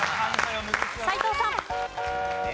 斎藤さん。